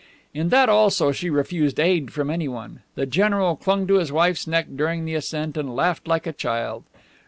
In that also she refused aid from anyone. The general clung to his wife's neck during the ascent and laughed like a child.